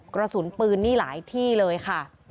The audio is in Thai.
กระสุนปืนนี่หลายที่เลยค่ะ